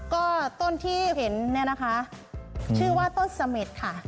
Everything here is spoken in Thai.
ก็ต้นที่เห็นเนี่ยนะคะชื่อว่าต้นเสม็ดค่ะ